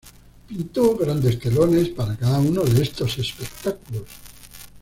Pintó grandes telones para cada uno de estos espectáculos.